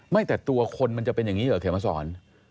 ไม่แต่ตัวคนมันจะเป็นอย่างนี้เหรอเขียนมาสอน